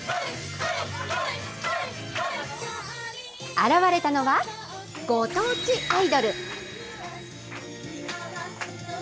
現れたのはご当地アイドル。